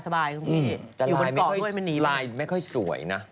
แต่ลายไม่ค่อยสวยนะ